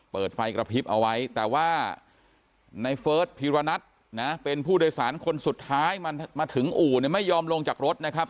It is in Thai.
เปิดไฟกระพริบเอาไว้แต่ว่าในเฟิร์สพีรณัทนะเป็นผู้โดยสารคนสุดท้ายมาถึงอู่เนี่ยไม่ยอมลงจากรถนะครับ